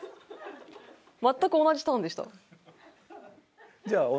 全く同じターンでした。